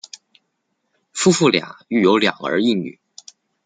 夫妇俩育有两儿一女。